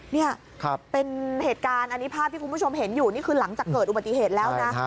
นี่เป็นเหตุการณ์อันนี้ภาพที่คุณผู้ชมเห็นอยู่นี่คือหลังจากเกิดอุบัติเหตุแล้วนะ